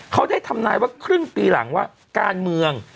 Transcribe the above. เขาได้ทำนายว่าครึ่งปีหลังว่าการเมือง